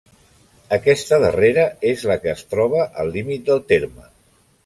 Aquesta darrera és la que es troba al límit del terme.